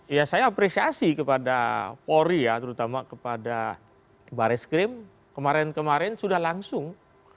ya saya apresiasi kepada polri ya terutama kepada baris krim kemarin kemarin sudah langsung